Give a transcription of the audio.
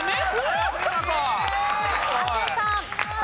亜生さん。